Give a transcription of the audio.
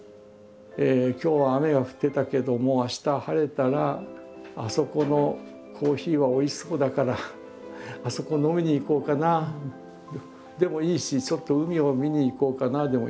今日は雨が降ってたけども明日晴れたらあそこのコーヒーはおいしそうだからあそこ飲みに行こうかなでもいいしちょっと海を見に行こうかなでもいいし。